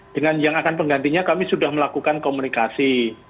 dengan yang akan penggantinya kami sudah melakukan komunikasi